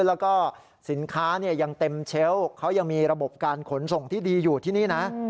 แล้วก็สินค้ายังเต็มเชลล์เขายังมีระบบการขนส่งที่ดีอยู่ที่นี่นะ